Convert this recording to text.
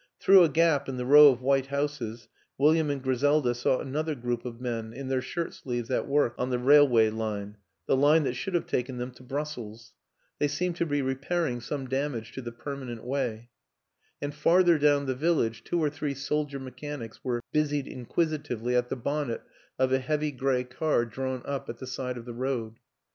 Through a gap in the row of white houses William and Griselda saw another group of men in their shirt sleeves at work on the rail ioo WILLIAM AN ENGLISHMAN way line the line that should have taken them to Brussels; they seemed to be repairing some damage to the permanent way ; and farther down the village two or three soldier mechanics were busied inquisitively at the bonnet of a heavy gray car drawn up at the side of the road.